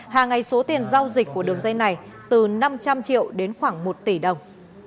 hàng ngày số tiền giao dịch của đường dây này từ năm trăm linh triệu đến khoảng một tỷ đồng